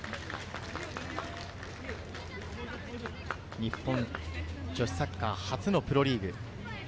日本女子サッカー初のプロリーグ。